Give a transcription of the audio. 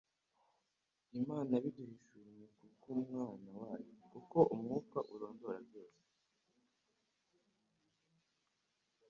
«Imana yabiduhishunye kubw'Umwana wayo. Kuko Umwuka arondora byose